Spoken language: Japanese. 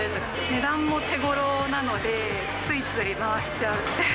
値段も手ごろなので、ついつい回しちゃう。